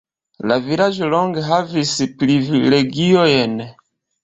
La vilaĝo longe havis privilegiojn.